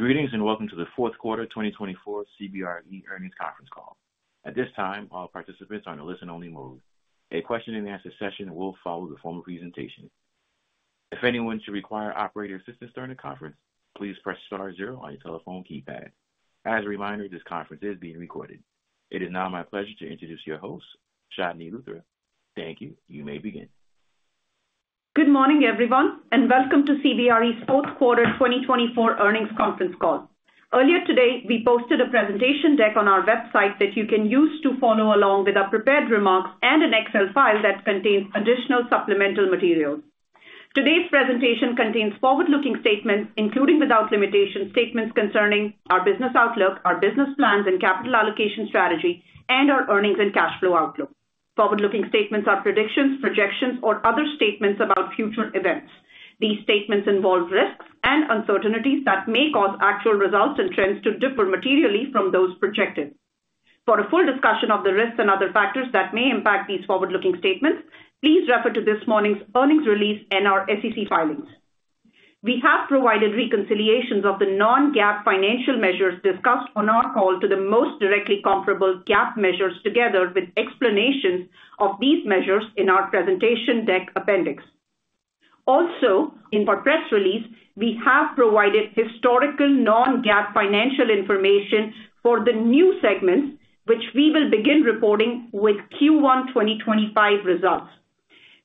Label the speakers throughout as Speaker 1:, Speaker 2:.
Speaker 1: Greetings and welcome to the Q4 2024 CBRE Earnings Conference Call. At this time, all participants are in a listen-only mode. A question-and-answer session will follow the formal presentation. If anyone should require operator assistance during the conference, please press star zero on your telephone keypad. As a reminder, this conference is being recorded. It is now my pleasure to introduce your host, Chandni Luthra. Thank you. You may begin.
Speaker 2: Good morning, everyone, and welcome to CBRE's Q4 2024 Earnings Conference Call. Earlier today, we posted a presentation deck on our website that you can use to follow along with our prepared remarks and an Excel file that contains additional supplemental materials. Today's presentation contains forward-looking statements, including without limitations, statements concerning our business outlook, our business plans, and capital allocation strategy, and our earnings and cash flow outlook. Forward-looking statements are predictions, projections, or other statements about future events. These statements involve risks and uncertainties that may cause actual results and trends to differ materially from those projected. For a full discussion of the risks and other factors that may impact these forward-looking statements, please refer to this morning's earnings release and our SEC filings. We have provided reconciliations of the non-GAAP financial measures discussed on our call to the most directly comparable GAAP measures together with explanations of these measures in our presentation deck appendix. Also, in our press release, we have provided historical non-GAAP financial information for the new segments, which we will begin reporting with Q1 2025 results.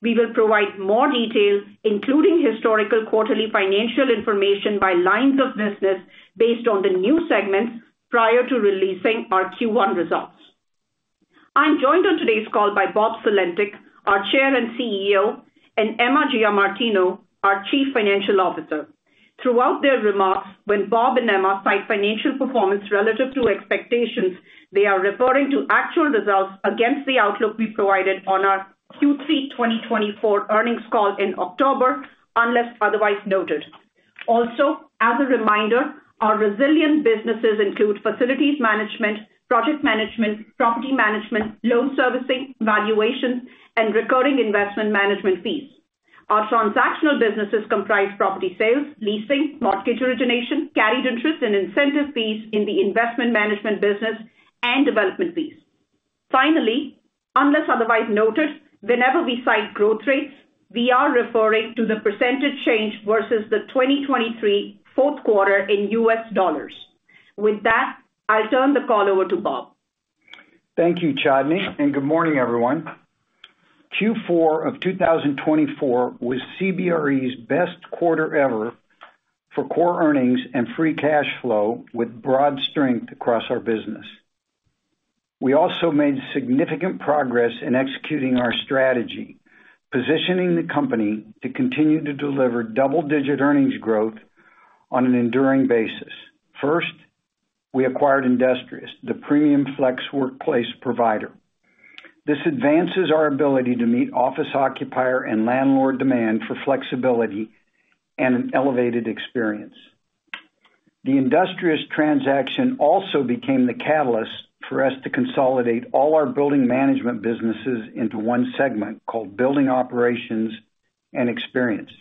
Speaker 2: We will provide more detail, including historical quarterly financial information by lines of business based on the new segments prior to releasing our Q1 results. I'm joined on today's call by Bob Sulentic, our Chair and CEO, and Emma Giamartino, our Chief Financial Officer. Throughout their remarks, when Bob and Emma cite financial performance relative to expectations, they are referring to actual results against the outlook we provided on our Q3 2024 Earnings Call in October, unless otherwise noted. Also, as a reminder, our resilient businesses include facilities management, project management, property management, loan servicing, valuations, and recurring investment management fees. Our transactional businesses comprise property sales, leasing, mortgage origination, carried interest, and incentive fees in the investment management business and development fees. Finally, unless otherwise noted, whenever we cite growth rates, we are referring to the percentage change versus the 2023 Q4 in US dollars. With that, I'll turn the call over to Bob.
Speaker 3: Thank you, Chandni, and good morning, everyone. Q4 of 2024 was CBRE's best quarter ever for core earnings and free cash flow with broad strength across our business. We also made significant progress in executing our strategy, positioning the company to continue to deliver double-digit earnings growth on an enduring basis. First, we acquired Industrious, the premium flex workplace provider. This advances our ability to meet office occupier and landlord demand for flexibility and an elevated experience. The Industrious transaction also became the catalyst for us to consolidate all our building management businesses into one segment called Building Operations and Experience.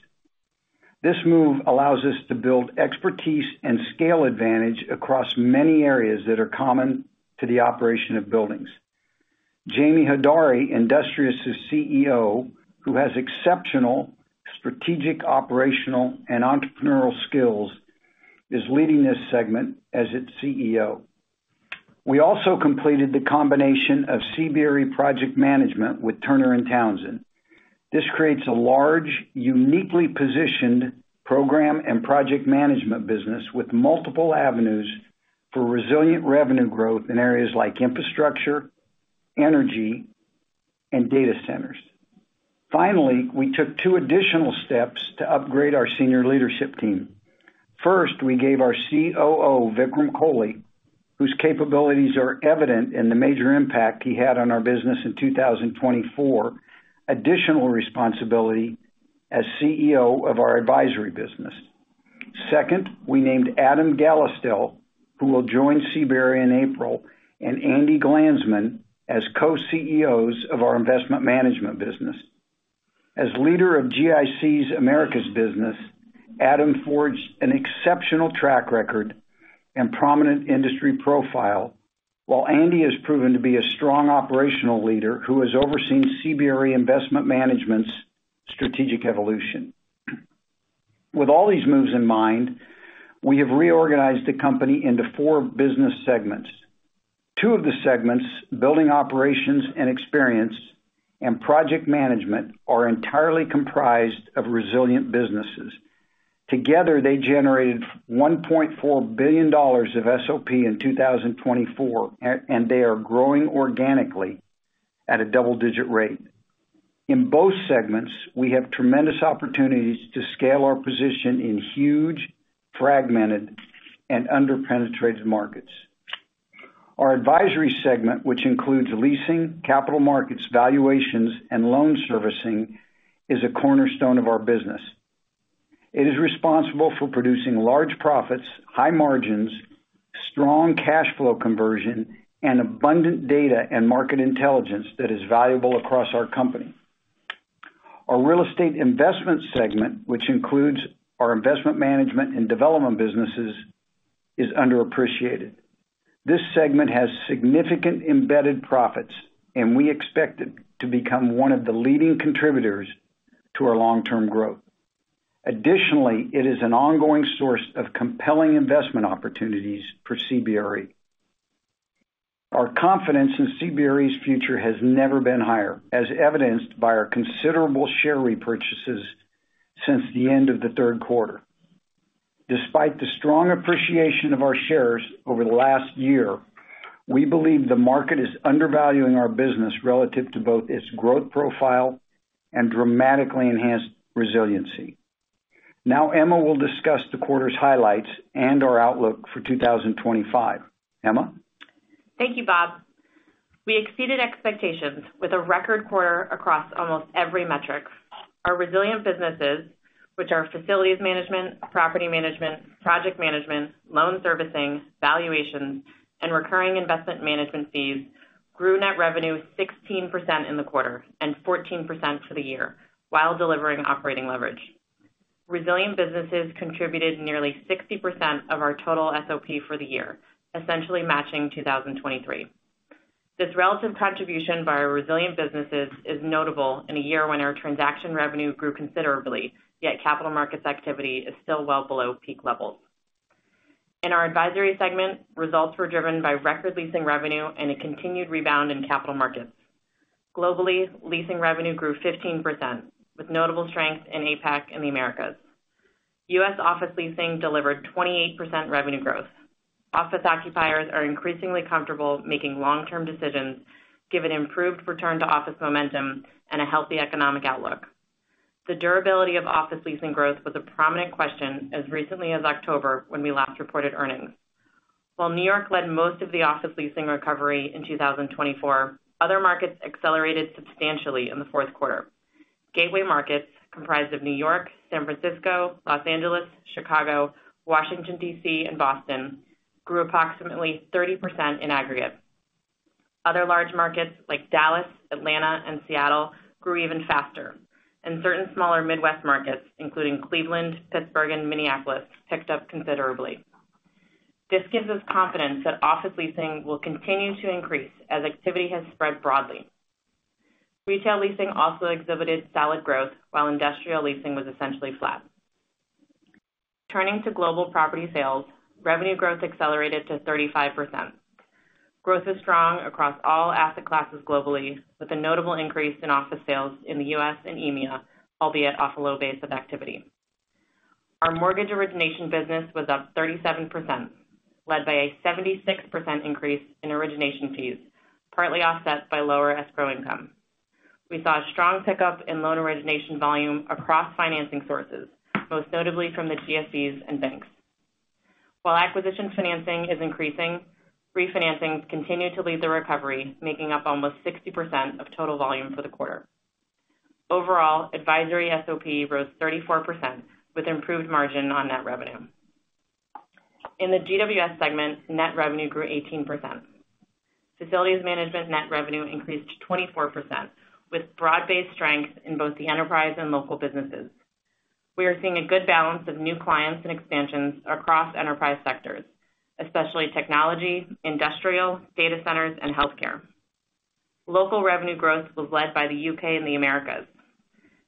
Speaker 3: This move allows us to build expertise and scale advantage across many areas that are common to the operation of buildings. Jamie Hodari, Industrious' CEO, who has exceptional strategic, operational, and entrepreneurial skills, is leading this segment as its CEO. We also completed the combination of CBRE project management with Turner & Townsend. This creates a large, uniquely positioned program and project management business with multiple avenues for resilient revenue growth in areas like infrastructure, energy, and data centers. Finally, we took two additional steps to upgrade our senior leadership team. First, we gave our COO, Vikram Kohli, whose capabilities are evident in the major impact he had on our business in 2024, additional responsibility as CEO of our advisory business. Second, we named Adam Gallistel, who will join CBRE in April, and Andy Glanzman as co-CEOs of our investment management business. As leader of GIC's Americas business, Adam forged an exceptional track record and prominent industry profile, while Andy has proven to be a strong operational leader who has overseen CBRE investment management's strategic evolution. With all these moves in mind, we have reorganized the company into four business segments. Two of the segments, building operations and experience, and project management, are entirely comprised of resilient businesses. Together, they generated $1.4 billion of SOP in 2024, and they are growing organically at a double-digit rate. In both segments, we have tremendous opportunities to scale our position in huge, fragmented, and under-penetrated markets. Our advisory segment, which includes leasing, capital markets, valuations, and loan servicing, is a cornerstone of our business. It is responsible for producing large profits, high margins, strong cash flow conversion, and abundant data and market intelligence that is valuable across our company. Our real estate investment segment, which includes our investment management and development businesses, is underappreciated. This segment has significant embedded profits, and we expect it to become one of the leading contributors to our long-term growth. Additionally, it is an ongoing source of compelling investment opportunities for CBRE. Our confidence in CBRE's future has never been higher, as evidenced by our considerable share repurchases since the end of Q3. Despite the strong appreciation of our shares over the last year, we believe the market is undervaluing our business relative to both its growth profile and dramatically enhanced resiliency. Now, Emma will discuss the quarter's highlights and our outlook for 2025. Emma?
Speaker 4: Thank you, Bob. We exceeded expectations with a record quarter across almost every metric. Our resilient businesses, which are facilities management, property management, project management, loan servicing, valuations, and recurring investment management fees, grew net revenue 16% in the quarter and 14% for the year while delivering operating leverage. Resilient businesses contributed nearly 60% of our total SOP for the year, essentially matching 2023. This relative contribution by our resilient businesses is notable in a year when our transaction revenue grew considerably, yet capital markets activity is still well below peak levels. In our advisory segment, results were driven by record leasing revenue and a continued rebound in capital markets. Globally, leasing revenue grew 15%, with notable strength in APAC and the Americas. U.S. office leasing delivered 28% revenue growth. Office occupiers are increasingly comfortable making long-term decisions given improved return-to-office momentum and a healthy economic outlook. The durability of office leasing growth was a prominent question as recently as October when we last reported earnings. While New York led most of the office leasing recovery in 2024, other markets accelerated substantially in Q4. Gateway markets, comprised of New York, San Francisco, Los Angeles, Chicago, Washington, D.C., and Boston, grew approximately 30% in aggregate. Other large markets like Dallas, Atlanta, and Seattle grew even faster, and certain smaller Midwest markets, including Cleveland, Pittsburgh, and Minneapolis, picked up considerably. This gives us confidence that office leasing will continue to increase as activity has spread broadly. Retail leasing also exhibited solid growth, while industrial leasing was essentially flat. Turning to global property sales, revenue growth accelerated to 35%. Growth is strong across all asset classes globally, with a notable increase in office sales in the U.S. and EMEA, albeit off a low base of activity. Our mortgage origination business was up 37%, led by a 76% increase in origination fees, partly offset by lower escrow income. We saw a strong pickup in loan origination volume across financing sources, most notably from the GSEs and banks. While acquisition financing is increasing, refinancing continue to lead the recovery, making up almost 60% of total volume for the quarter. Overall, advisory SOP rose 34%, with improved margin on net revenue. In the GWS segment, net revenue grew 18%. Facilities management net revenue increased 24%, with broad-based strength in both the enterprise and local businesses. We are seeing a good balance of new clients and expansions across enterprise sectors, especially technology, industrial, data centers, and healthcare. Local revenue growth was led by the U.K. and the Americas.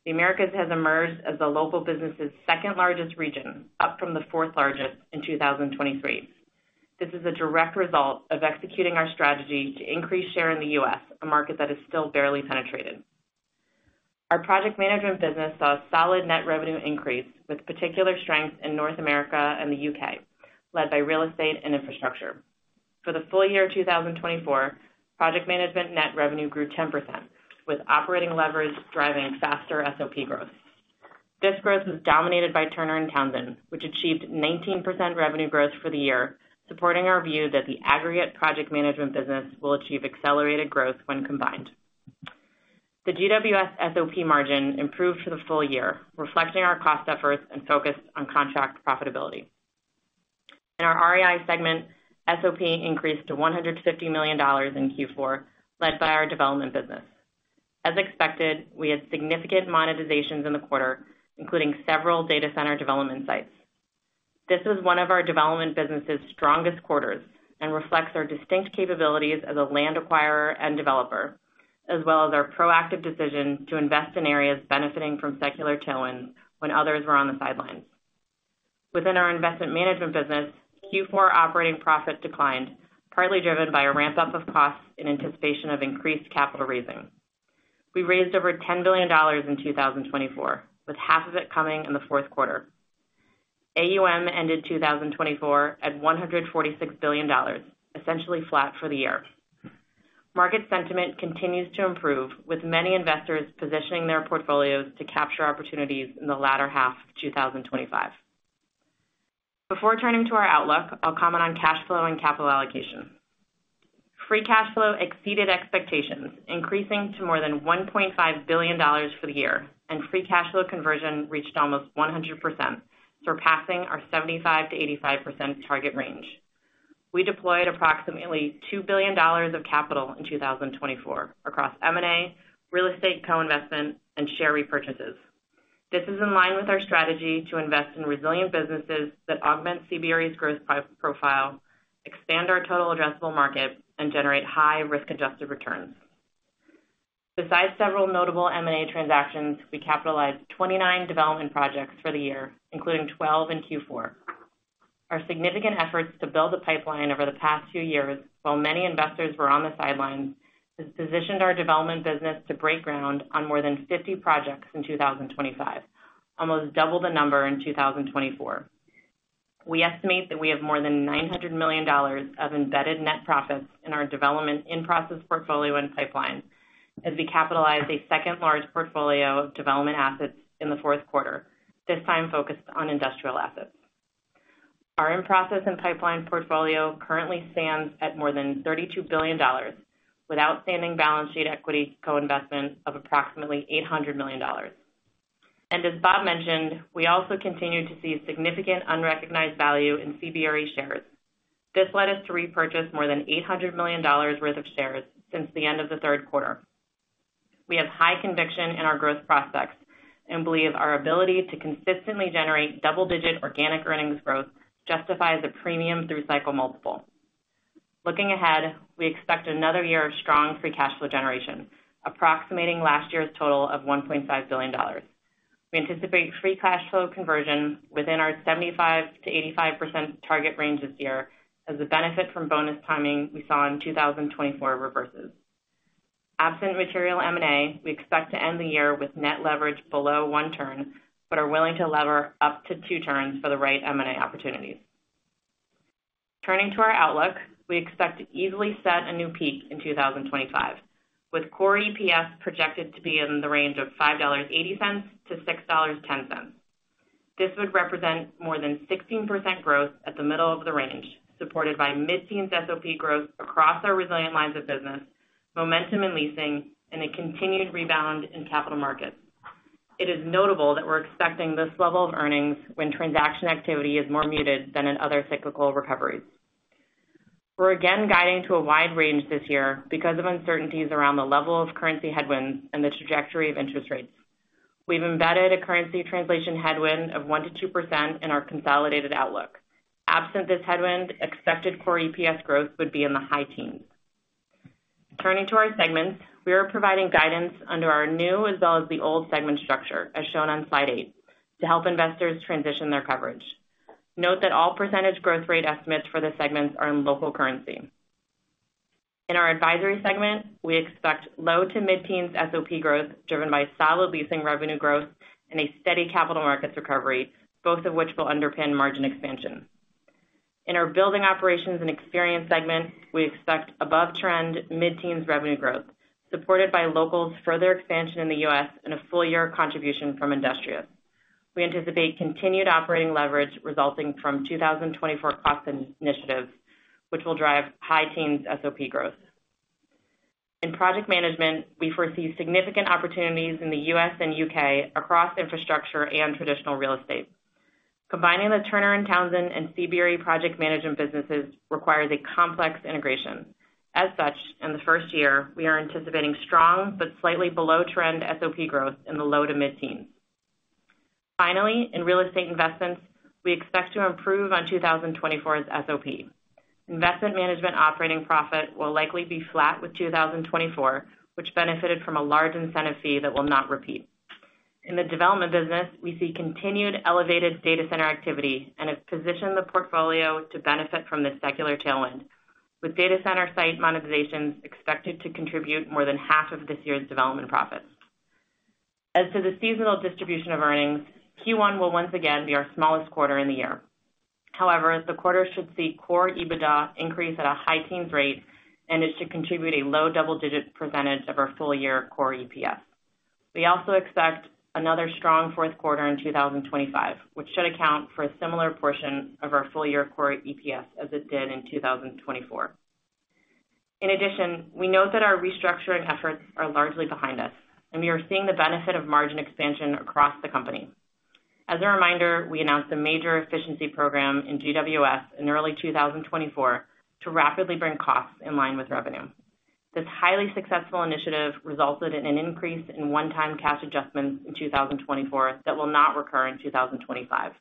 Speaker 4: The Americas has emerged as the local business's second-largest region, up from the fourth-largest in 2023. This is a direct result of executing our strategy to increase share in the U.S., a market that is still barely penetrated. Our project management business saw a solid net revenue increase, with particular strength in North America and the U.K., led by real estate and infrastructure. For the full year 2024, project management net revenue grew 10%, with operating leverage driving faster SOP growth. This growth was dominated by Turner & Townsend, which achieved 19% revenue growth for the year, supporting our view that the aggregate project management business will achieve accelerated growth when combined. The GWS SOP margin improved for the full year, reflecting our cost efforts and focus on contract profitability. In our REI segment, SOP increased to $150 million in Q4, led by our development business. As expected, we had significant monetizations in the quarter, including several data center development sites. This was one of our development business's strongest quarters and reflects our distinct capabilities as a land acquirer and developer, as well as our proactive decision to invest in areas benefiting from secular tailwinds when others were on the sidelines. Within our investment management business, Q4 operating profit declined, partly driven by a ramp-up of costs in anticipation of increased capital raising. We raised over $10 billion in 2024, with 5 billion of it coming in the Q4. AUM ended 2024 at $146 billion, essentially flat for the year. Market sentiment continues to improve, with many investors positioning their portfolios to capture opportunities in the latter half of 2025. Before turning to our outlook, I'll comment on cash flow and capital allocation. Free cash flow exceeded expectations, increasing to more than $1.5 billion for the year, and free cash flow conversion reached almost 100%, surpassing our 75% - 85% target range. We deployed approximately $2 billion of capital in 2024 across M&A, real estate co-investment, and share repurchases. This is in line with our strategy to invest in resilient businesses that augment CBRE's growth profile, expand our total addressable market, and generate high-risk-adjusted returns. Besides several notable M&A transactions, we capitalized 29 development projects for the year, including 12 in Q4. Our significant efforts to build the pipeline over the past few years, while many investors were on the sidelines, have positioned our development business to break ground on more than 50 projects in 2025, almost double the number in 2024. We estimate that we have more than $900 million of embedded net profits in our development in-process portfolio and pipeline, as we capitalize a second-large portfolio of development assets in the Q4, this time focused on industrial assets. Our in-process and pipeline portfolio currently stands at more than $32 billion, with outstanding balance sheet equity co-investment of approximately $800 million, and as Bob mentioned, we also continue to see significant unrecognized value in CBRE shares. This led us to repurchase more than $800 million worth of shares since the end of Q3. We have high conviction in our growth prospects and believe our ability to consistently generate double-digit organic earnings growth justifies a premium through cycle multiple. Looking ahead, we expect another year of strong free cash flow generation, approximating last year's total of $1.5 billion. We anticipate free cash flow conversion within our 75%-85% target range this year, as the benefit from bonus timing we saw in 2024 reverses. Absent material M&A, we expect to end the year with net leverage below one turn, but are willing to lever up to two turns for the right M&A opportunities. Turning to our outlook, we expect to easily set a new peak in 2025, with core EPS projected to be in the range of $5.80-6.10. This would represent more than 16% growth at the middle of the range, supported by mid-teens SOP growth across our resilient lines of business, momentum in leasing, and a continued rebound in capital markets. It is notable that we're expecting this level of earnings when transaction activity is more muted than in other cyclical recoveries. We're again guiding to a wide range this year because of uncertainties around the level of currency headwinds and the trajectory of interest rates. We've embedded a currency translation headwind of 1%-2% in our consolidated outlook. Absent this headwind, expected Core EPS growth would be in the high teens. Turning to our segments, we are providing guidance under our new as well as the old segment structure, as shown on slide 8, to help investors transition their coverage. Note that all percentage growth rate estimates for the segments are in local currency. In our advisory segment, we expect low to mid-teens SOP growth driven by solid leasing revenue growth and a steady capital markets recovery, both of which will underpin margin expansion. In our Building Operations and Experience segment, we expect above-trend mid-teens revenue growth, supported by Hines further expansion in the U.S. and a full-year contribution from Industrious. We anticipate continued operating leverage resulting from 2024 cost initiatives, which will drive high-teens SOP growth. In project management, we foresee significant opportunities in the U.S. and U.K. across infrastructure and traditional real estate. Combining the Turner & Townsend and CBRE project management businesses requires a complex integration. As such, in the first year, we are anticipating strong but slightly below-trend SOP growth in the low to mid-teens. Finally, in Real Estate Investments, we expect to improve on 2024's SOP. Investment Management operating profit will likely be flat with 2024, which benefited from a large incentive fee that will not repeat. In the development business, we see continued elevated data center activity and have positioned the portfolio to benefit from this secular tailwind, with data center site monetizations expected to contribute more than half of this year's development profits. As to the seasonal distribution of earnings, Q1 will once again be our smallest quarter in the year. However, the quarter should see Core EBITDA increase at a high-teens rate, and it should contribute a low double-digit percentage of our full-year Core EPS. We also expect another strong Q4 in 2025, which should account for a similar portion of our full-year Core EPS as it did in 2024. In addition, we note that our restructuring efforts are largely behind us, and we are seeing the benefit of margin expansion across the company. As a reminder, we announced a major efficiency program in GWS in early 2024 to rapidly bring costs in line with revenue. This highly successful initiative resulted in an increase in one-time cash adjustments in 2024 that will not recur in 2025.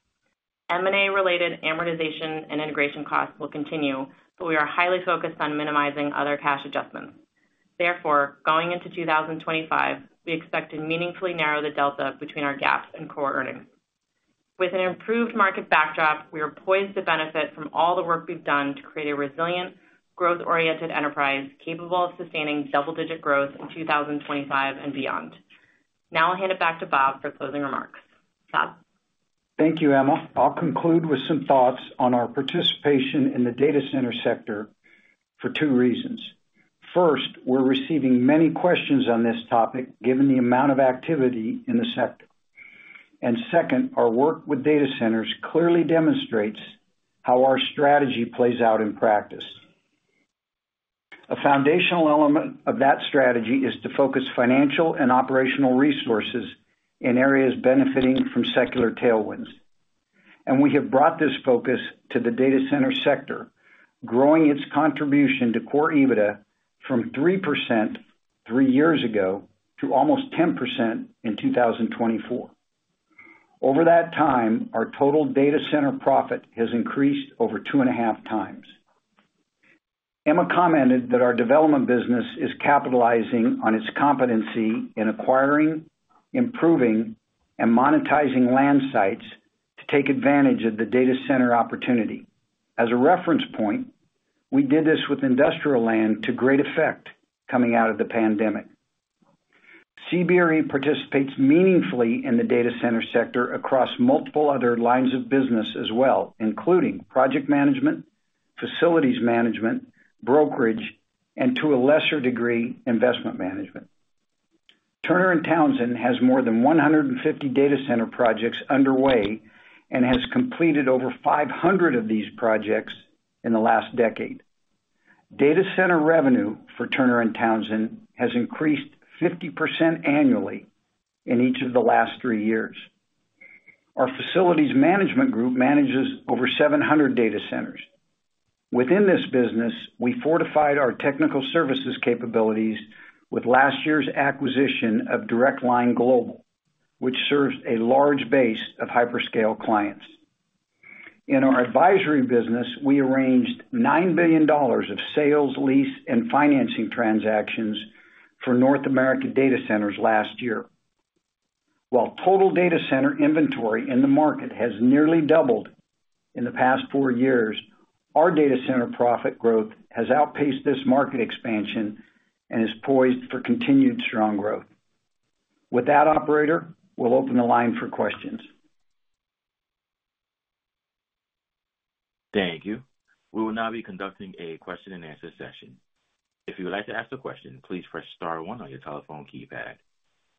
Speaker 4: M&A-related amortization and integration costs will continue, but we are highly focused on minimizing other cash adjustments. Therefore, going into 2025, we expect to meaningfully narrow the delta between our GAAP and core earnings. With an improved market backdrop, we are poised to benefit from all the work we've done to create a resilient, growth-oriented enterprise capable of sustaining double-digit growth in 2025 and beyond. Now I'll hand it back to Bob for closing remarks. Bob.
Speaker 3: Thank you, Emma. I'll conclude with some thoughts on our participation in the data center sector for two reasons. First, we're receiving many questions on this topic given the amount of activity in the sector, and second, our work with data centers clearly demonstrates how our strategy plays out in practice. A foundational element of that strategy is to focus financial and operational resources in areas benefiting from secular tailwinds, and we have brought this focus to the data center sector, growing its contribution to Core EBITDA from 3% three years ago to almost 10% in 2024. Over that time, our total data center profit has increased over two and a half times. Emma commented that our development business is capitalizing on its competency in acquiring, improving, and monetizing land sites to take advantage of the data center opportunity. As a reference point, we did this with industrial land to great effect coming out of the pandemic. CBRE participates meaningfully in the data center sector across multiple other lines of business as well, including project management, facilities management, brokerage, and to a lesser degree, investment management. Turner & Townsend has more than 150 data center projects underway and has completed over 500 of these projects in the last decade. Data center revenue for Turner & Townsend has increased 50% annually in each of the last three years. Our facilities management group manages over 700 data centers. Within this business, we fortified our technical services capabilities with last year's acquisition of Direct Line Global, which serves a large base of hyperscale clients. In our advisory business, we arranged $9 billion of sales, lease, and financing transactions for North America data centers last year. While total data center inventory in the market has nearly doubled in the past four years, our data center profit growth has outpaced this market expansion and is poised for continued strong growth. With that, operator, we'll open the line for questions.
Speaker 1: Thank you. We will now be conducting a question-and-answer session. If you would like to ask a question, please press star one on your telephone keypad.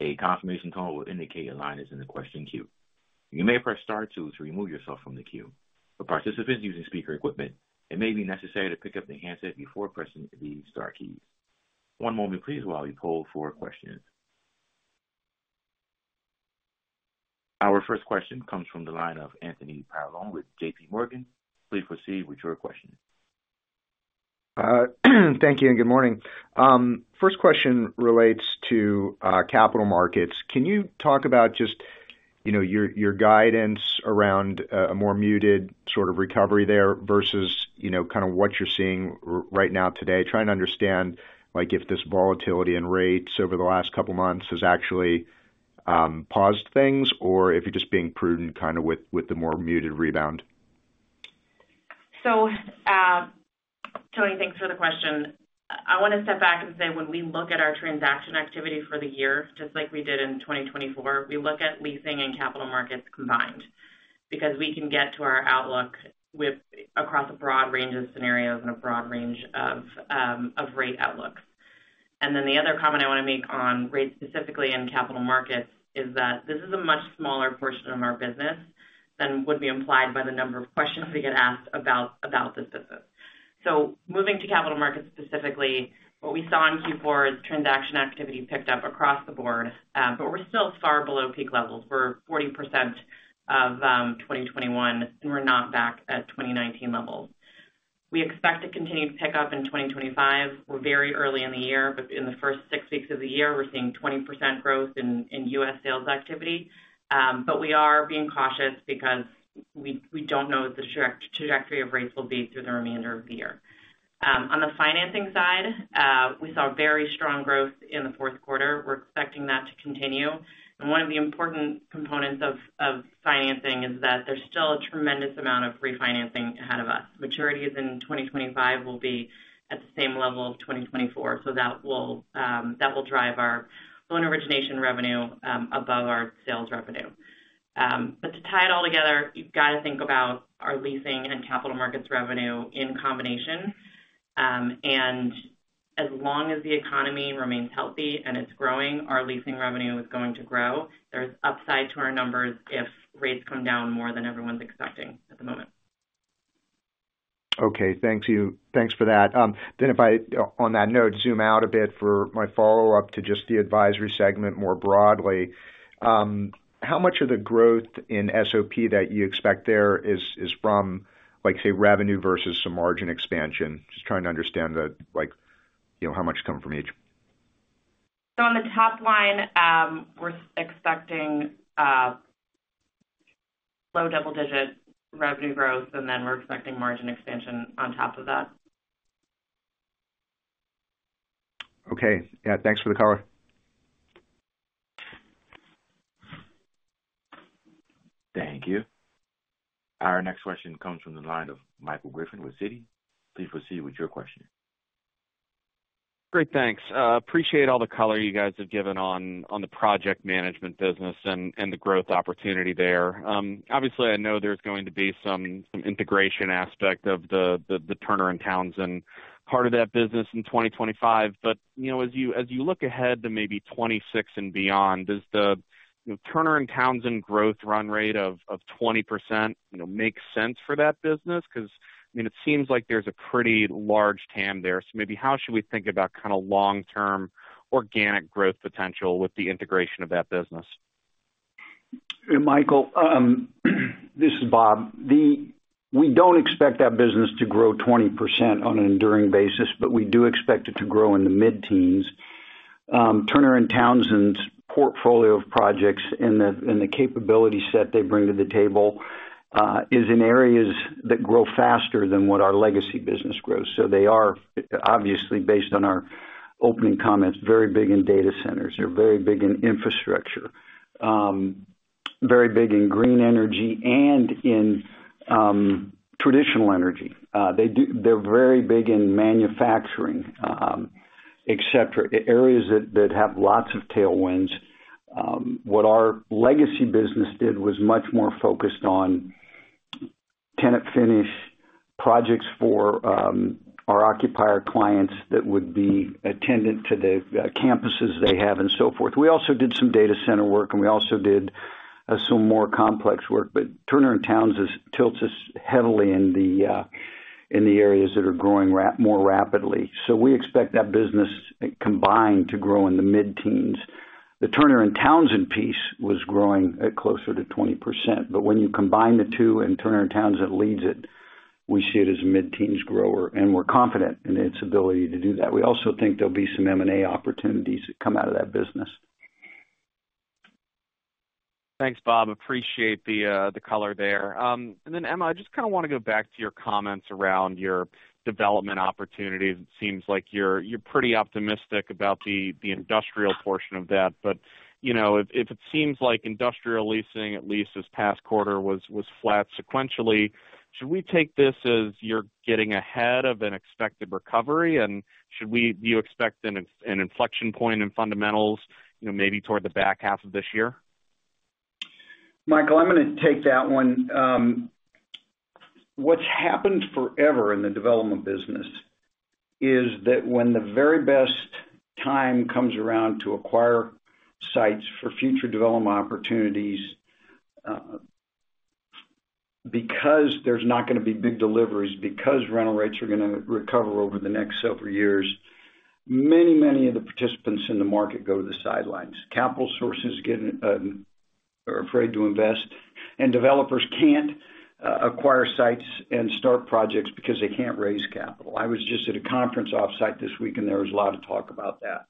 Speaker 1: A confirmation tone will indicate a line is in the question queue. You may press star two to remove yourself from the queue. For participants using speaker equipment, it may be necessary to pick up the handset before pressing the star keys. One moment, please, while we poll for questions. Our first question comes from the line of Anthony Paolone with JP Morgan. Please proceed with your question.
Speaker 5: Thank you and good morning. First question relates to capital markets. Can you talk about just your guidance around a more muted sort of recovery there versus kind of what you're seeing right now today? Trying to understand if this volatility in rates over the last couple of months has actually paused things or if you're just being prudent kind of with the more muted rebound.
Speaker 4: So, Tony, thanks for the question. I want to step back and say when we look at our transaction activity for the year, just like we did in 2024, we look at leasing and capital markets combined because we can get to our outlook across a broad range of scenarios and a broad range of rate outlooks. Then the other comment I want to make on rates specifically in capital markets is that this is a much smaller portion of our business than would be implied by the number of questions we get asked about this business. So moving to capital markets specifically, what we saw in Q4 is transaction activity picked up across the board, but we're still far below peak levels. We're 40% of 2021, and we're not back at 2019 levels. We expect a continued pickup in 2025. We're very early in the year, but in the first six weeks of the year, we're seeing 20% growth in U.S. sales activity. But we are being cautious because we don't know what the trajectory of rates will be through the remainder of the year. On the financing side, we saw very strong growth in Q4. We're expecting that to continue. One of the important components of financing is that there's still a tremendous amount of refinancing ahead of us. Maturities in 2025 will be at the same level of 2024, so that will drive our loan origination revenue above our sales revenue. To tie it all together, you've got to think about our leasing and capital markets revenue in combination. As long as the economy remains healthy and it's growing, our leasing revenue is going to grow. There's upside to our numbers if rates come down more than everyone's expecting at the moment.
Speaker 5: Okay. Thanks for that. If I, on that note, zoom out a bit for my follow-up to just the advisory segment more broadly, how much of the growth in SOP that you expect there is from, say, revenue versus some margin expansion? Just trying to understand how much comes from each.
Speaker 4: So on the top line, we're expecting low double-digit revenue growth, and then we're expecting margin expansion on top of that.
Speaker 5: Okay. Yeah. Thanks for the cover.
Speaker 1: Thank you. Our next question comes from the line of Michael Griffin with Citi. Please proceed with your question.
Speaker 6: Great. Thanks. Appreciate all the color you guys have given on the project management business and the growth opportunity there. Obviously, I know there's going to be some integration aspect of the Turner & Townsend part of that business in 2025. But as you look ahead to maybe 2026 and beyond, does the Turner & Townsend growth run rate of 20% make sense for that business? Because, I mean, it seems like there's a pretty large TAM there. So maybe how should we think about kind of long-term organic growth potential with the integration of that business?
Speaker 3: Michael, this is Bob. We don't expect that business to grow 20% on an enduring basis, but we do expect it to grow in the mid-teens. Turner & Townsend's portfolio of projects and the capability set they bring to the table is in areas that grow faster than what our legacy business grows. So they are, obviously, based on our opening comments, very big in data centers. They're very big in infrastructure, very big in green energy, and in traditional energy. They're very big in manufacturing, etc., areas that have lots of tailwinds. What our legacy business did was much more focused on tenant finish projects for our Occupier clients that would be attendant to the campuses they have and so forth. We also did some data center work, and we also did some more complex work. But Turner & Townsend tilts us heavily in the areas that are growing more rapidly. So we expect that business combined to grow in the mid-teens. The Turner & Townsend piece was growing at closer to 20%. But when you combine the two and Turner & Townsend leads it, we see it as a mid-teens grower, and we're confident in its ability to do that. We also think there'll be some M&A opportunities that come out of that business.
Speaker 6: Thanks, Bob. Appreciate the color there. And then, Emma, I just kind of want to go back to your comments around your development opportunities. It seems like you're pretty optimistic about the industrial portion of that. But if it seems like industrial leasing, at least this past quarter, was flat sequentially, should we take this as you're getting ahead of an expected recovery? And do you expect an inflection point in fundamentals maybe toward the back half of this year?
Speaker 3: Michael, I'm going to take that one. What's happened forever in the development business is that when the very best time comes around to acquire sites for future development opportunities, because there's not going to be big deliveries, because rental rates are going to recover over the next several years, many, many of the participants in the market go to the sidelines. Capital sources are afraid to invest, and developers can't acquire sites and start projects because they can't raise capital. I was just at a conference off-site this week, and there was a lot of talk about that.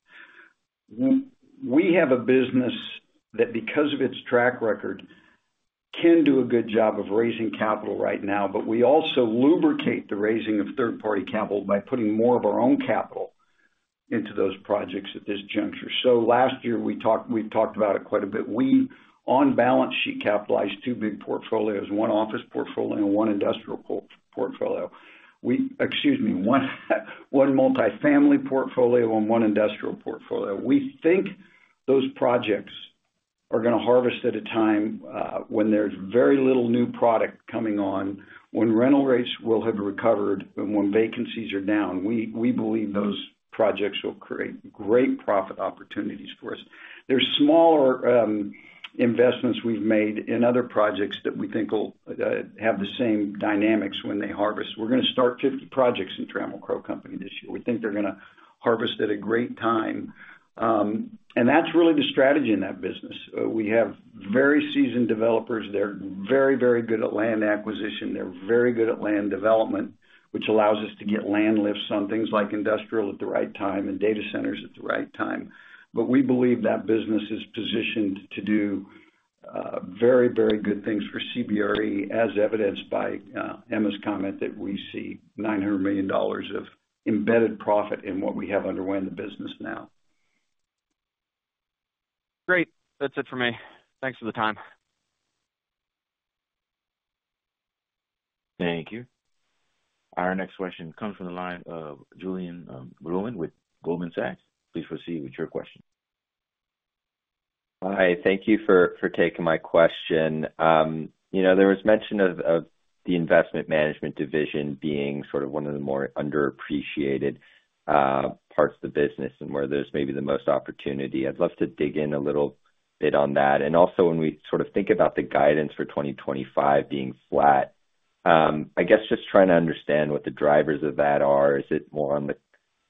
Speaker 3: We have a business that, because of its track record, can do a good job of raising capital right now, but we also lubricate the raising of third-party capital by putting more of our own capital into those projects at this juncture. So last year, we've talked about it quite a bit. We, on balance sheet, capitalized two big portfolios: one office portfolio and one industrial portfolio. Excuse me. One multifamily portfolio and one industrial portfolio. We think those projects are going to harvest at a time when there's very little new product coming on, when rental rates will have recovered, and when vacancies are down. We believe those projects will create great profit opportunities for us. There's smaller investments we've made in other projects that we think will have the same dynamics when they harvest. We're going to start 50 projects in Trammell Crow Company this year. We think they're going to harvest at a great time. And that's really the strategy in that business. We have very seasoned developers. They're very, very good at land acquisition. They're very good at land development, which allows us to get land lifts on things like industrial at the right time and data centers at the right time. But we believe that business is positioned to do very, very good things for CBRE, as evidenced by Emma's comment that we see $900 million of embedded profit in what we have underwritten the business now.
Speaker 6: Great. That's it for me. Thanks for the time.
Speaker 1: Thank you. Our next question comes from the line of Julien Blouin with Goldman Sachs. Please proceed with your question.
Speaker 7: Hi. Thank you for taking my question. There was mention of the investment management division being sort of one of the more underappreciated parts of the business and where there's maybe the most opportunity. I'd love to dig in a little bit on that. And also, when we sort of think about the guidance for 2025 being flat, I guess just trying to understand what the drivers of that are? Is it more on the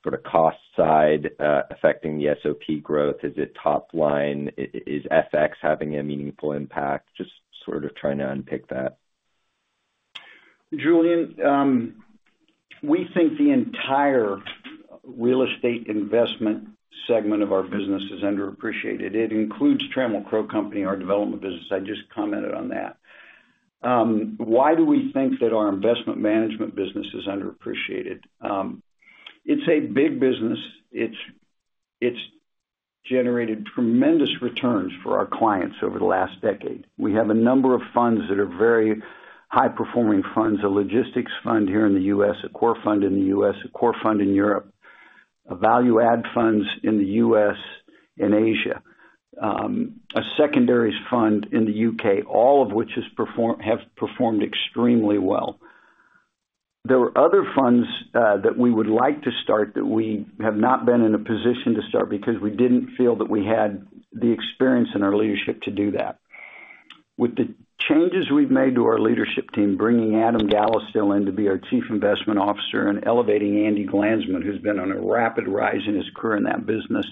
Speaker 7: sort of cost side affecting the SOP growth? Is it top line? Is FX having a meaningful impact? Just sort of trying to unpick that.
Speaker 3: Julien, we think the entire real estate investment segment of our business is underappreciated. It includes Trammell Crow Company, our development business. I just commented on that. Why do we think that our investment management business is underappreciated? It's a big business. It's generated tremendous returns for our clients over the last decade. We have a number of funds that are very high-performing funds: a logistics fund here in the U.S., a core fund in the U.S., a core fund in Europe, value-add funds in the U.S. and Asia, a secondary fund in the U.K., all of which have performed extremely well. There are other funds that we would like to start that we have not been in a position to start because we didn't feel that we had the experience in our leadership to do that. With the changes we've made to our leadership team, bringing Adam Gallistel in to be our chief investment officer and elevating Andy Glanzman, who's been on a rapid rise in his career in that business,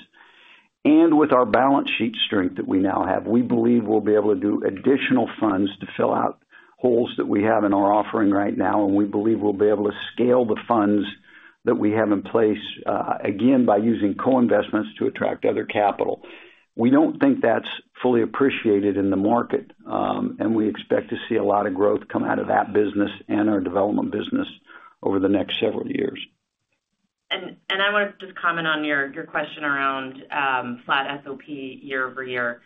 Speaker 3: and with our balance sheet strength that we now have, we believe we'll be able to do additional funds to fill out holes that we have in our offering right now. We believe we'll be able to scale the funds that we have in place, again, by using co-investments to attract other capital. We don't think that's fully appreciated in the market, and we expect to see a lot of growth come out of that business and our development business over the next several years.
Speaker 4: I want to just comment on your question around flat SOP year over year.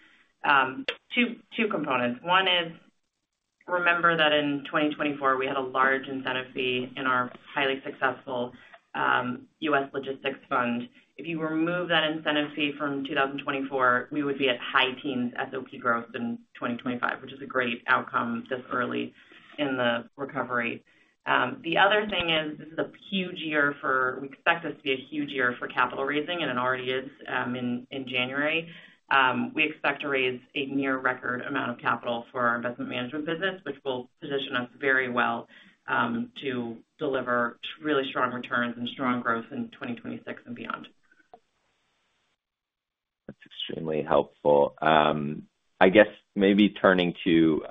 Speaker 4: Two components. One is, remember that in 2024, we had a large incentive fee in our highly successful US logistics fund. If you remove that incentive fee from 2024, we would be at high teens SOP growth in 2025, which is a great outcome this early in the recovery. The other thing is we expect this to be a huge year for capital raising, and it already is in January. We expect to raise a near record amount of capital for our investment management business, which will position us very well to deliver really strong returns and strong growth in 2026 and beyond.
Speaker 7: That's extremely helpful. I guess maybe turning to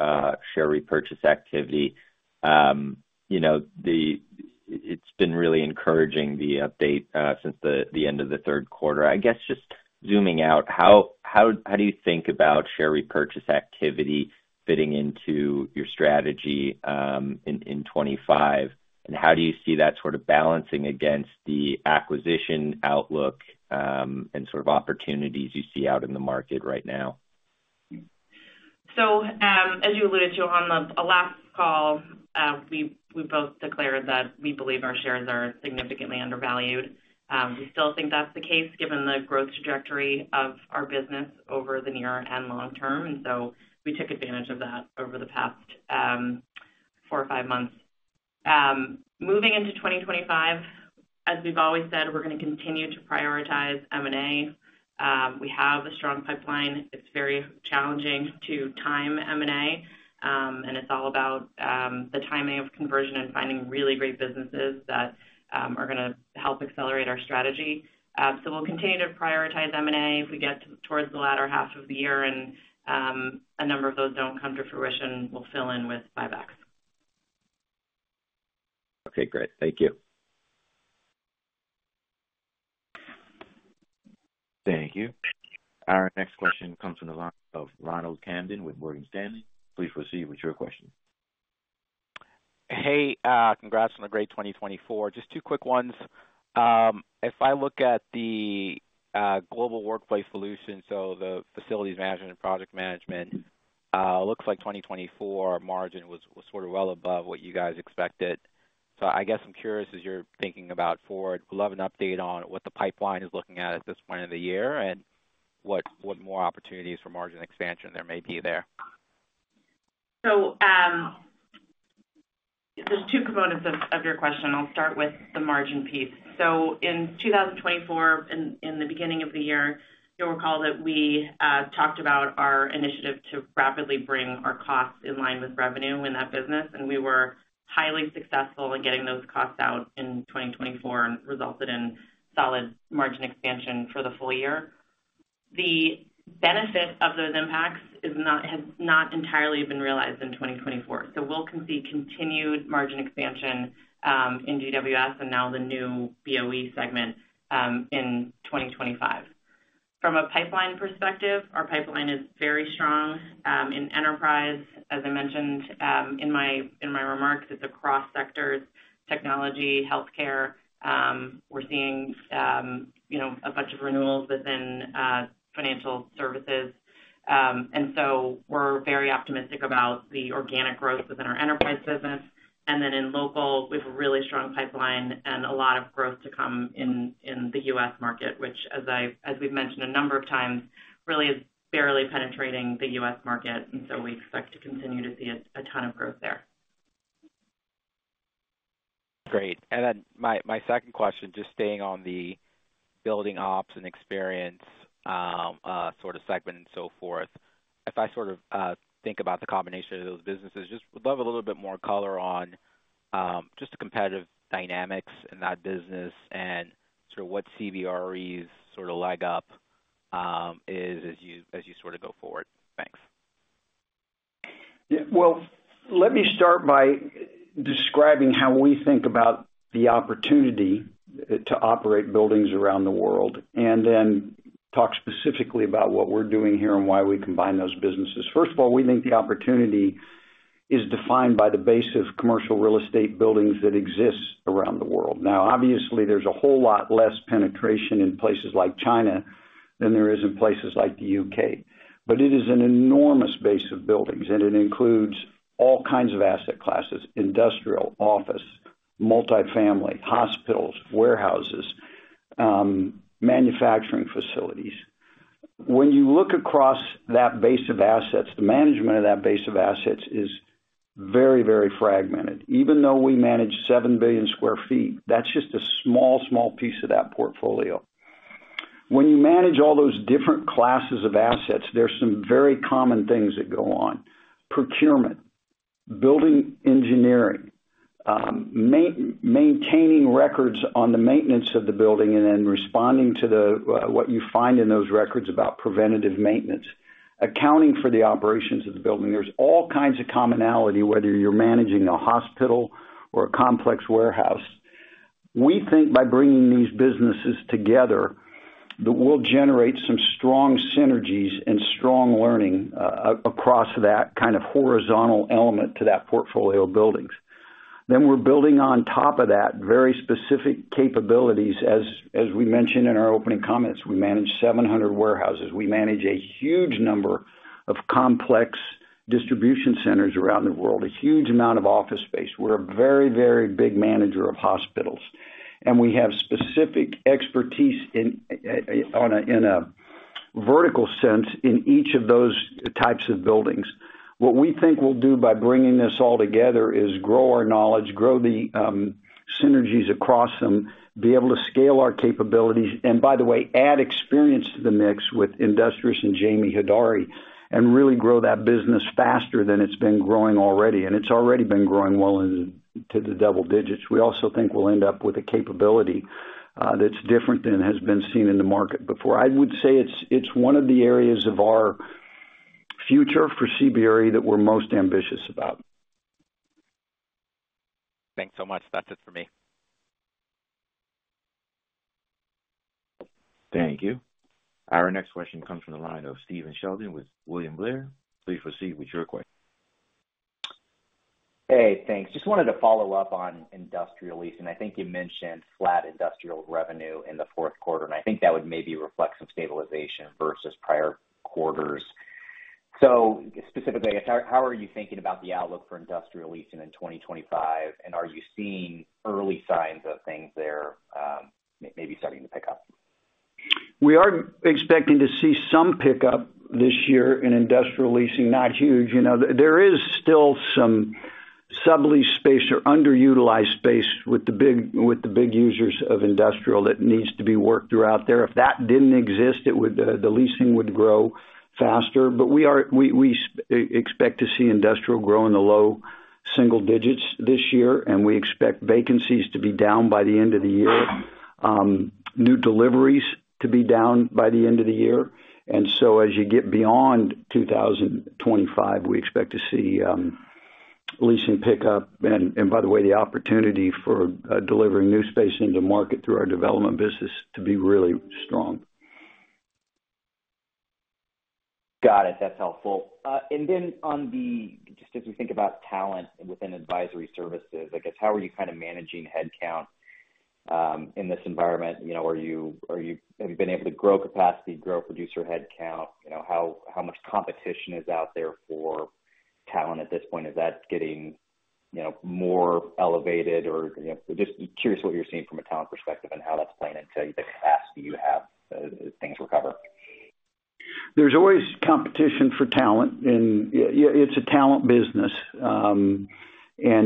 Speaker 7: share repurchase activity, it's been really encouraging, the update since the end of Q3. I guess just zooming out, how do you think about share repurchase activity fitting into your strategy in 2025, and how do you see that sort of balancing against the acquisition outlook and sort of opportunities you see out in the market right now?
Speaker 4: So as you alluded to on the last call, we both declared that we believe our shares are significantly undervalued. We still think that's the case given the growth trajectory of our business over the near and long term. And so we took advantage of that over the past four or five months. Moving into 2025, as we've always said, we're going to continue to prioritize M&A. We have a strong pipeline. It's very challenging to time M&A, and it's all about the timing of conversion and finding really great businesses that are going to help accelerate our strategy. So we'll continue to prioritize M&A. If we get towards the latter half of the year and a number of those don't come to fruition, we'll fill in with buybacks.
Speaker 7: Okay. Great. Thank you.
Speaker 1: Thank you. Our next question comes from the line of Ronald Kamdem with Morgan Stanley. Please proceed with your question.
Speaker 8: Hey. Congrats on a great 2024. Just two quick ones. If I look at the Global Workplace Solutions, so the facilities management and project management, it looks like 2024 margin was sort of well above what you guys expected. So I guess I'm curious as you're thinking about forward. We'd love an update on what the pipeline is looking at this point of the year and what more opportunities for margin expansion there may be.
Speaker 4: So there's two components of your question. I'll start with the margin piece. So in 2024, in the beginning of the year, you'll recall that we talked about our initiative to rapidly bring our costs in line with revenue in that business. And we were highly successful in getting those costs out in 2024 and resulted in solid margin expansion for the full year. The benefit of those impacts has not entirely been realized in 2024. So we'll see continued margin expansion in GWS and now the new BOE segment in 2025. From a pipeline perspective, our pipeline is very strong in enterprise. As I mentioned in my remarks, it's across sectors: technology, healthcare. We're seeing a bunch of renewals within financial services. And so we're very optimistic about the organic growth within our enterprise business. And then in local, we have a really strong pipeline and a lot of growth to come in the U.S. market, which, as we've mentioned a number of times, really is barely penetrating the U.S. market. And so we expect to continue to see a ton of growth there.
Speaker 8: Great. And then my second question, just staying on the building ops and experience sort of segment and so forth, if I sort of think about the combination of those businesses, just would love a little bit more color on just the competitive dynamics in that business and sort of what CBRE's sort of leg up is as you sort of go forward. Thanks.
Speaker 3: Yeah. Well, let me start by describing how we think about the opportunity to operate buildings around the world and then talk specifically about what we're doing here and why we combine those businesses. First of all, we think the opportunity is defined by the base of commercial real estate buildings that exists around the world. Now, obviously, there's a whole lot less penetration in places like China than there is in places like the U.K. But it is an enormous base of buildings, and it includes all kinds of asset classes: industrial, office, multifamily, hospitals, warehouses, manufacturing facilities. When you look across that base of assets, the management of that base of assets is very, very fragmented. Even though we manage 7 billion sq ft, that's just a small, small piece of that portfolio. When you manage all those different classes of assets, there are some very common things that go on: procurement, building engineering, maintaining records on the maintenance of the building, and then responding to what you find in those records about preventative maintenance, accounting for the operations of the building. There's all kinds of commonality whether you're managing a hospital or a complex warehouse. We think by bringing these businesses together, that we'll generate some strong synergies and strong learning across that kind of horizontal element to that portfolio of buildings. Then we're building on top of that very specific capabilities. As we mentioned in our opening comments, we manage 700 warehouses. We manage a huge number of complex distribution centers around the world, a huge amount of office space. We're a very, very big manager of hospitals, and we have specific expertise in a vertical sense in each of those types of buildings. What we think we'll do by bringing this all together is grow our knowledge, grow the synergies across them, be able to scale our capabilities, and by the way, add experience to the mix with industries and Jamie Hodari and really grow that business faster than it's been growing already. And it's already been growing well into the double digits. We also think we'll end up with a capability that's different than has been seen in the market before. I would say it's one of the areas of our future for CBRE that we're most ambitious about.
Speaker 8: Thanks so much. That's it for me.
Speaker 1: Thank you. Our next question comes from the line of Stephen Sheldon with William Blair. Please proceed with your question.
Speaker 9: Hey. Thanks. Just wanted to follow up on industrial leasing. I think you mentioned flat industrial revenue in the Q4, and I think that would maybe reflect some stabilization versus prior quarters. So specifically, I guess how are you thinking about the outlook for industrial leasing in 2025? And are you seeing early signs of things there maybe starting to pick up?
Speaker 3: We are expecting to see some pickup this year in industrial leasing. Not huge. There is still some sublease space or underutilized space with the big users of industrial that needs to be worked throughout there. If that didn't exist, the leasing would grow faster. But we expect to see industrial grow in the low single digits this year, and we expect vacancies to be down by the end of the year, new deliveries to be down by the end of the year. And so as you get beyond 2025, we expect to see leasing pickup and, by the way, the opportunity for delivering new space into market through our development business to be really strong.
Speaker 9: Got it. That's helpful. And then just as we think about talent within advisory services, I guess how are you kind of managing headcount in this environment? Have you been able to grow capacity, produce your headcount? How much competition is out there for talent at this point? Is that getting more elevated? Or just curious what you're seeing from a talent perspective and how that's playing into the capacity you have as things recover.
Speaker 3: There's always competition for talent. And it's a talent business, and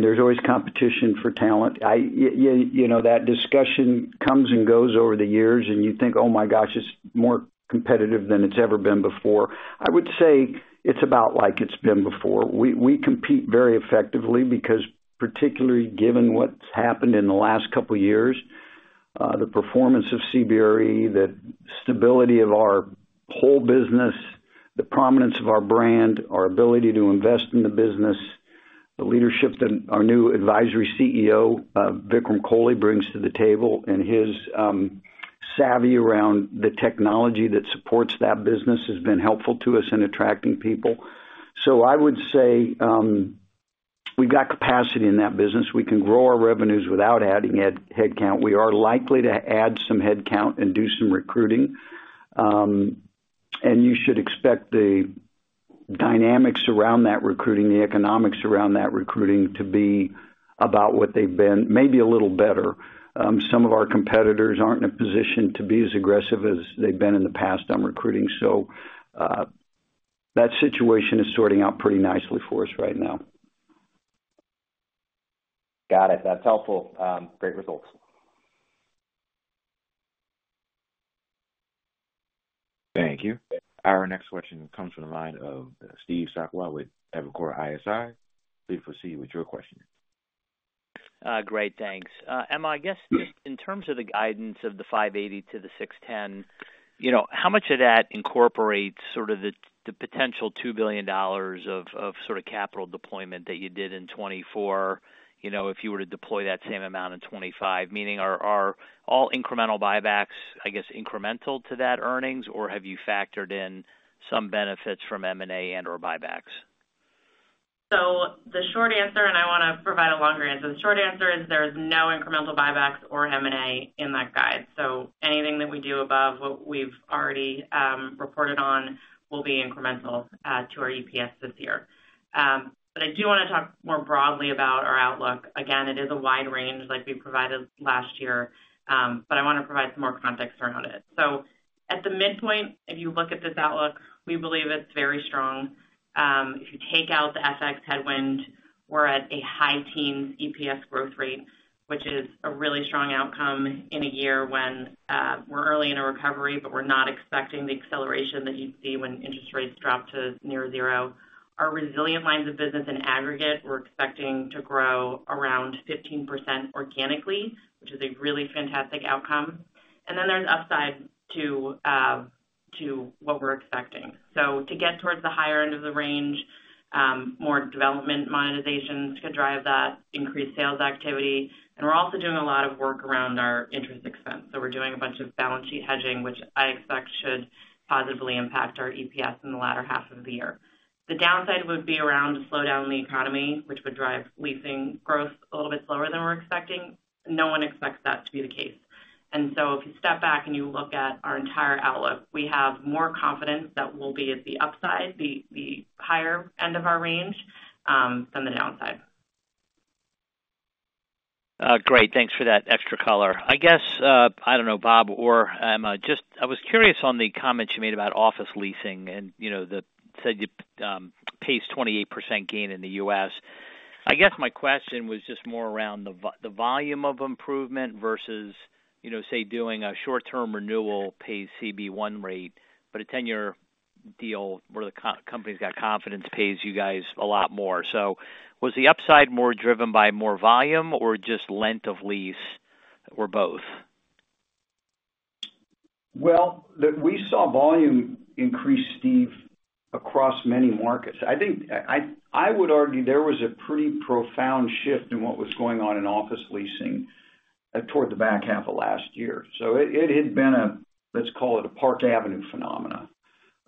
Speaker 3: there's always competition for talent. That discussion comes and goes over the years, and you think, "Oh my gosh, it's more competitive than it's ever been before." I would say it's about like it's been before. We compete very effectively because, particularly given what's happened in the last couple of years, the performance of CBRE, the stability of our whole business, the prominence of our brand, our ability to invest in the business, the leadership that our new Advisory CEO, Vikram Kohli, brings to the table, and his savvy around the technology that supports that business has been helpful to us in attracting people. So I would say we've got capacity in that business. We can grow our revenues without adding headcount. We are likely to add some headcount and do some recruiting. And you should expect the dynamics around that recruiting, the economics around that recruiting to be about what they've been, maybe a little better. Some of our competitors aren't in a position to be as aggressive as they've been in the past on recruiting. So that situation is sorting out pretty nicely for us right now.
Speaker 9: Got it. That's helpful. Great results.
Speaker 1: Thank you. Our next question comes from the line of Steve Sakwa with Evercore ISI. Please proceed with your question.
Speaker 10: Great. Thanks. Emma, I guess just in terms of the guidance of the 580 to the 610, how much of that incorporates sort of the potential $2 billion of sort of capital deployment that you did in 2024 if you were to deploy that same amount in 2025? Meaning, are all incremental buybacks, I guess, incremental to that earnings, or have you factored in some benefits from M&A and/or buybacks?
Speaker 4: So the short answer, and I want to provide a longer answer. The short answer is there's no incremental buybacks or M&A in that guide. So anything that we do above what we've already reported on will be incremental to our EPS this year. But I do want to talk more broadly about our outlook. Again, it is a wide range like we provided last year, but I want to provide some more context around it. So at the midpoint, if you look at this outlook, we believe it's very strong. If you take out the FX headwind, we're at a high teens EPS growth rate, which is a really strong outcome in a year when we're early in a recovery, but we're not expecting the acceleration that you'd see when interest rates drop to near zero. Our resilient lines of business in aggregate, we're expecting to grow around 15% organically, which is a really fantastic outcome, and then there's upside to what we're expecting, so to get towards the higher end of the range, more development monetizations could drive that increased sales activity, and we're also doing a lot of work around our interest expense. So we're doing a bunch of balance sheet hedging, which I expect should positively impact our EPS in the latter half of the year. The downside would be around a slowdown in the economy, which would drive leasing growth a little bit slower than we're expecting. No one expects that to be the case. And so if you step back and you look at our entire outlook, we have more confidence that we'll be at the upside, the higher end of our range than the downside.
Speaker 10: Great. Thanks for that extra color. I guess, I don't know, Bob or Emma, I was curious on the comments you made about office leasing and said up 28% gain in the U.S.. I guess my question was just more around the volume of improvement versus, say, doing a short-term renewal at a CBRE rate. But a 10-year deal where the company's got confidence pays you guys a lot more. So was the upside more driven by more volume or just length of lease or both?
Speaker 3: Well, we saw volume increase, Steve, across many markets. I would argue there was a pretty profound shift in what was going on in office leasing toward the back half of last year. So it had been a, let's call it a Park Avenue phenomenon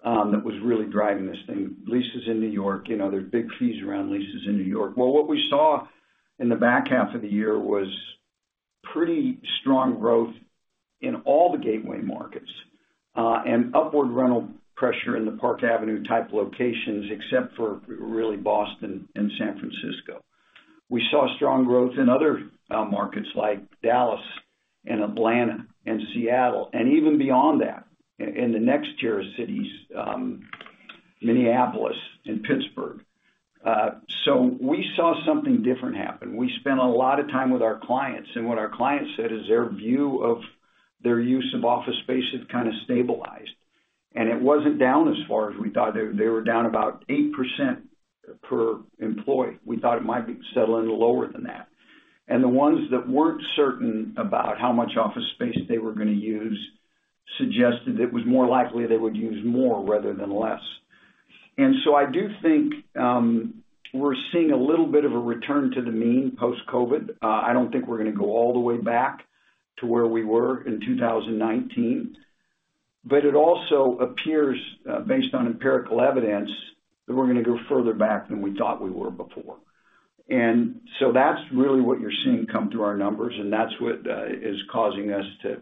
Speaker 3: that was really driving this thing. Leases in New York, there's big fees around leases in New York. Well, what we saw in the back half of the year was pretty strong growth in all the gateway markets and upward rental pressure in the Park Avenue type locations, except for really Boston and San Francisco. We saw strong growth in other markets like Dallas and Atlanta and Seattle and even beyond that in the next tier of cities, Minneapolis and Pittsburgh. So we saw something different happen. We spent a lot of time with our clients, and what our clients said is their view of their use of office space had kind of stabilized. And it wasn't down as far as we thought. They were down about 8% per employee. We thought it might be settling lower than that. And the ones that weren't certain about how much office space they were going to use suggested it was more likely they would use more rather than less. And so I do think we're seeing a little bit of a return to the mean post-COVID. I don't think we're going to go all the way back to where we were in 2019, but it also appears, based on empirical evidence, that we're going to go further back than we thought we were before. And so that's really what you're seeing come through our numbers, and that's what is causing us to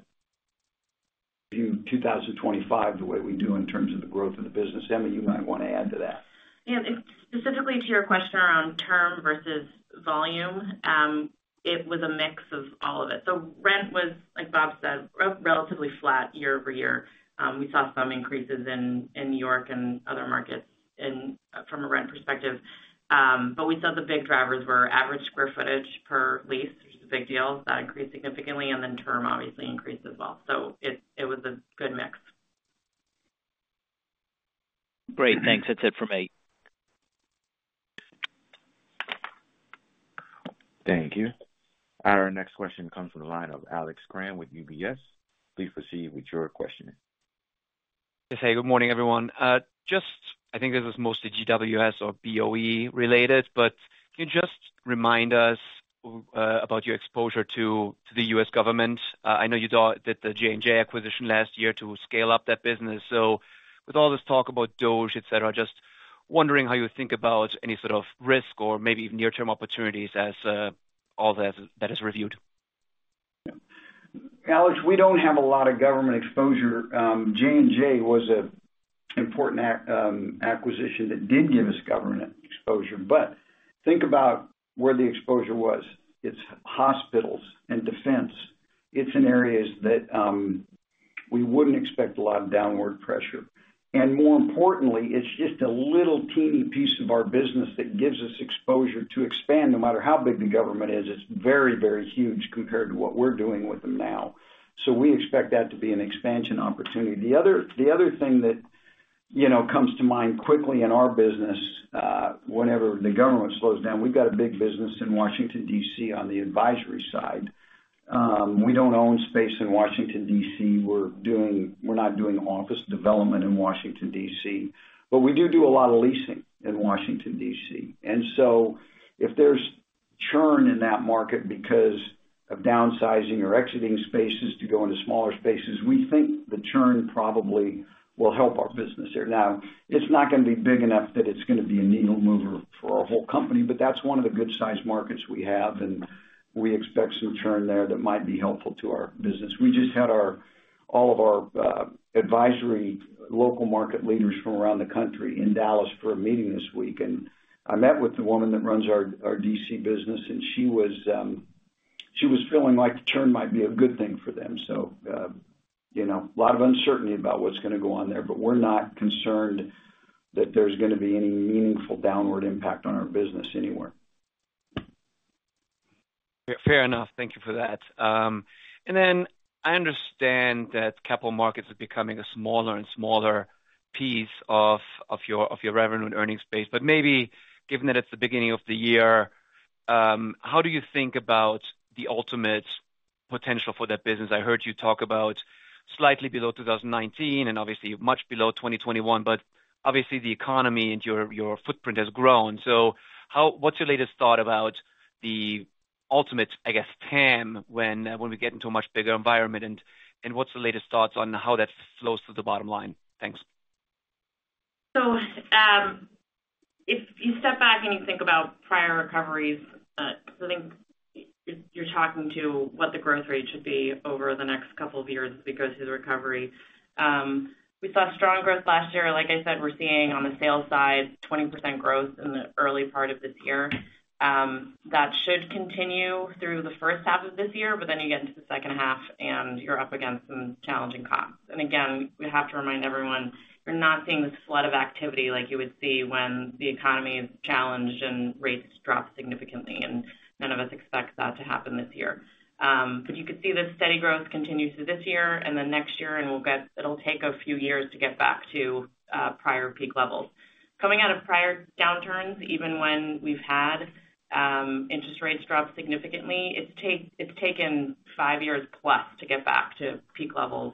Speaker 3: view 2025 the way we do in terms of the growth of the business. Emma, you might want to add to that.
Speaker 4: Specifically to your question around term versus volume, it was a mix of all of it. So rent was, like Bob said, relatively flat year over year. We saw some increases in New York and other markets from a rent perspective. But we saw the big drivers were average square footage per lease, which is a big deal. That increased significantly. And then term obviously increased as well. So it was a good mix.
Speaker 10: Great. Thanks. That's it for me.
Speaker 1: Thank you. Our next question comes from the line of Alex Kramm with UBS. Please proceed with your question.
Speaker 11: Hey. Good morning, everyone. Just I think this is mostly GWS or BOE related, but can you just remind us about your exposure to the US government? I know you did the J&J acquisition last year to scale up that business. So with all this talk about DOGE, etc., just wondering how you think about any sort of risk or maybe even near-term opportunities as all that is reviewed?
Speaker 3: Alex, we don't have a lot of government exposure. J&J was an important acquisition that did give us government exposure. But think about where the exposure was. It's hospitals and defense. It's in areas that we wouldn't expect a lot of downward pressure. And more importantly, it's just a little teeny piece of our business that gives us exposure to expand no matter how big the government is. It's very, very huge compared to what we're doing with them now. So we expect that to be an expansion opportunity. The other thing that comes to mind quickly in our business, whenever the government slows down, we've got a big business in Washington, D.C. on the advisory side. We don't own space in Washington, D.C. We're not doing office development in Washington, D.C., but we do do a lot of leasing in Washington, D.C., and so if there's churn in that market because of downsizing or exiting spaces to go into smaller spaces, we think the churn probably will help our business there. Now, it's not going to be big enough that it's going to be a needle mover for our whole company, but that's one of the good-sized markets we have, and we expect some churn there that might be helpful to our business. We just had all of our advisory local market leaders from around the country in Dallas for a meeting this week, and I met with the woman that runs our DC business, and she was feeling like the churn might be a good thing for them. So a lot of uncertainty about what's going to go on there, but we're not concerned that there's going to be any meaningful downward impact on our business anywhere.
Speaker 11: Fair enough. Thank you for that. And then I understand that capital markets are becoming a smaller and smaller piece of your revenue and earnings base. But maybe given that it's the beginning of the year, how do you think about the ultimate potential for that business? I heard you talk about slightly below 2019 and obviously much below 2021, but obviously the economy and your footprint has grown. So what's your latest thought about the ultimate, I guess, TAM when we get into a much bigger environment? And what's the latest thoughts on how that flows through the bottom line? Thanks.
Speaker 4: So if you step back and you think about prior recoveries, I think you're talking to what the growth rate should be over the next couple of years because of the recovery. We saw strong growth last year. Like I said, we're seeing on the sales side 20% growth in the early part of this year. That should continue through the first half of this year, but then you get into the second half and you're up against some challenging costs. And again, we have to remind everyone, we're not seeing this flood of activity like you would see when the economy is challenged and rates drop significantly, and none of us expect that to happen this year. But you could see the steady growth continue through this year and then next year, and it'll take a few years to get back to prior peak levels. Coming out of prior downturns, even when we've had interest rates drop significantly, it's taken five years plus to get back to peak levels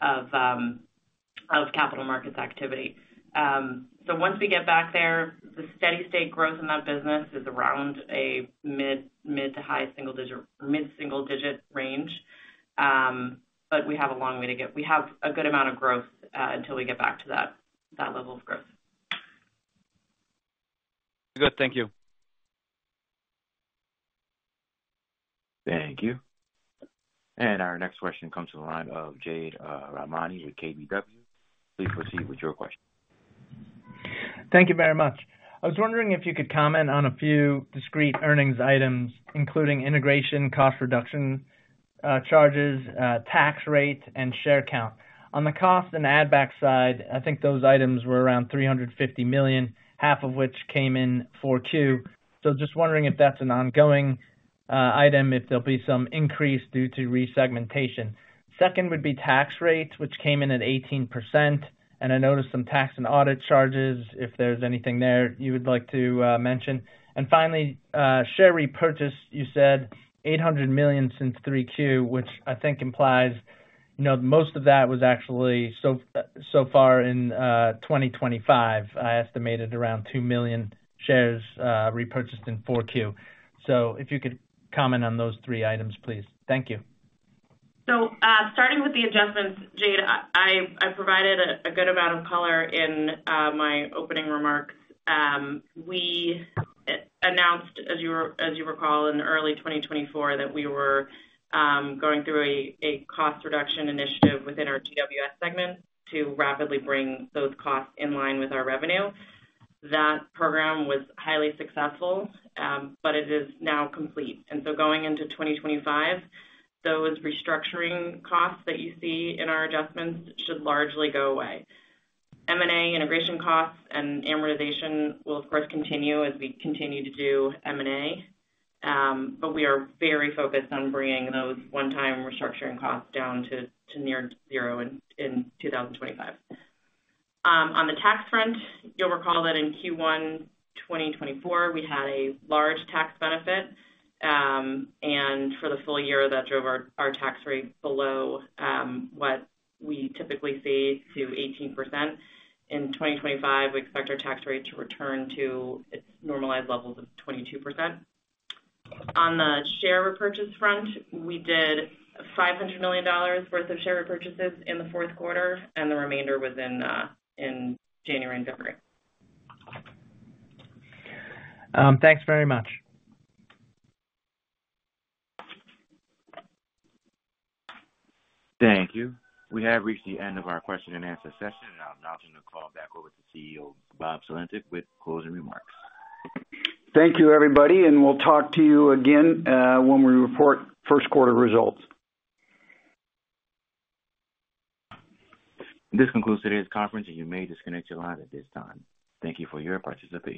Speaker 4: of capital markets activity. So once we get back there, the steady state growth in that business is around a mid to high single digit range, but we have a long way to go. We have a good amount of growth until we get back to that level of growth.
Speaker 11: Good. Thank you.
Speaker 1: Thank you. And our next question comes from the line of Jade Rahmani with KBW. Please proceed with your question.
Speaker 12: Thank you very much. I was wondering if you could comment on a few discrete earnings items, including integration, cost reduction charges, tax rate, and share count. On the cost and add-back side, I think those items were around $350 million, half of which came in Q4. Just wondering if that's an ongoing item, if there'll be some increase due to resegmentation. Second would be tax rate, which came in at 18%, and I noticed some tax and audit charges. If there's anything there you would like to mention. And finally, share repurchase, you said $800 million since Q3, which I think implies most of that was actually so far in 2025. I estimated around two million shares repurchased in Q4. So if you could comment on those three items, please. Thank you.
Speaker 4: Starting with the adjustments, Jade, I provided a good amount of color in my opening remarks. We announced, as you recall, in early 2024 that we were going through a cost reduction initiative within our GWS segment to rapidly bring those costs in line with our revenue. That program was highly successful, but it is now complete. And so going into 2025, those restructuring costs that you see in our adjustments should largely go away. M&A integration costs and amortization will, of course, continue as we continue to do M&A, but we are very focused on bringing those one-time restructuring costs down to near zero in 2025. On the tax front, you'll recall that in Q1 2024, we had a large tax benefit, and for the full year, that drove our tax rate below what we typically see to 18%. In 2025, we expect our tax rate to return to its normalized levels of 22%. On the share repurchase front, we did $500 million worth of share repurchases in the Q4, and the remainder was in January and February.
Speaker 12: Thanks very much.
Speaker 1: Thank you. We have reached the end of our question and answer session, and I'll now turn the call back over to CEO Bob Sulentic with closing remarks.
Speaker 3: Thank you, everybody, and we'll talk to you again when we report Q1 results.
Speaker 1: This concludes today's conference, and you may disconnect your line at this time. Thank you for your participation.